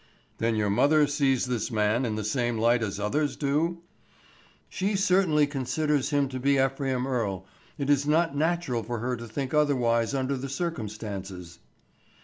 "Then your mother sees this man in the same light as others do?" "She certainly considers him to be Ephraim Earle. It is not natural for her to think otherwise under the circumstances."